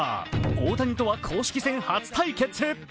大谷とは公式戦初対決。